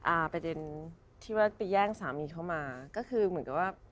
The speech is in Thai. อ่าประเด็นที่ว่าไปแย่งสามีเข้ามาก็คือเหมือนกับว่า